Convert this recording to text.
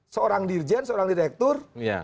seorang dirjen seorang direktur